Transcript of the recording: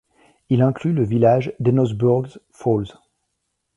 Il inclut le village d'Enosburg Falls.